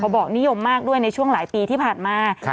บอกนิยมมากด้วยในช่วงหลายปีที่ผ่านมา